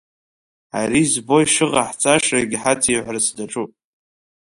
Ари избо ишыҟаҳҵашьагь ҳаҵиҳәарц даҿуп!